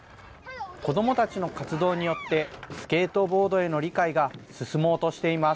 子どもたちの活動によって、スケートボードへの理解が進もうとしています。